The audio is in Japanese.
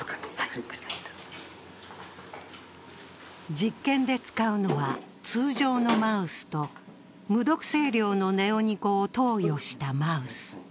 実験で使うのは通常のマウスと無毒性量のネオニコを投与したマウス。